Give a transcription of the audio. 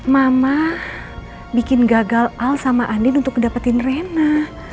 mama bikin gagal al sama andin untuk dapetin rena